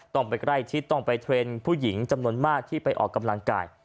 ต้องไปใกล้ชิดต้องไปเทรนด์ผู้หญิงจำนวนมากที่ไปออกกำลังกาย